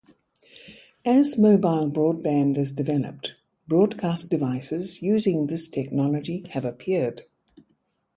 As mobile broadband has developed, broadcast devices using this technology have appeared.